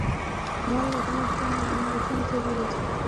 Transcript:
মলি, তোমার জন্যই আমি এখানে থেকে গেছি।